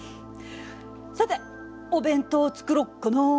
さてお弁当を作ろっかな。